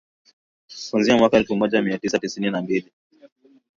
Kuanzia mwaka elfu moja mia tisa tisini na mbili